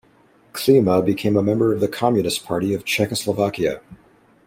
Klima became a member of the Communist Party of Czechoslovakia.